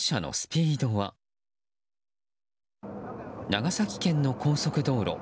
長崎県の高速道路。